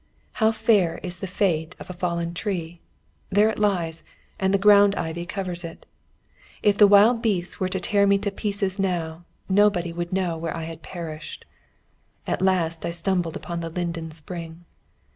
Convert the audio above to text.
How fair is the fate of a fallen tree. There it lies, and the ground ivy covers it. If the wild beasts were to tear me to pieces now, nobody would know where I had perished. At last I stumbled upon the linden spring.